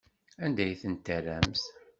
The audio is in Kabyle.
Anda ay tent-terramt?